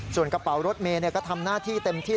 ส่วนกระเป๋ารถเมย์ก็ทำหน้าที่เต็มที่